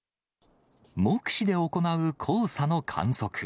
目視で行う黄砂の観測。